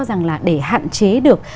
rằng là để hạn chế được